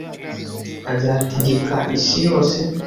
azategeka isi yose